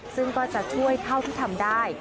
ซึ่งก็จะช่วยเท่าที่ทำได้